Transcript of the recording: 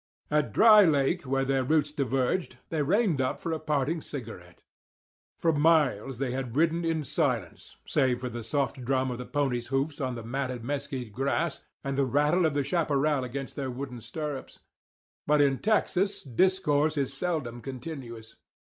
At Dry Lake, where their routes diverged, they reined up for a parting cigarette. For miles they had ridden in silence save for the soft drum of the ponies' hoofs on the matted mesquite grass, and the rattle of the chaparral against their wooden stirrups. But in Texas discourse is seldom continuous.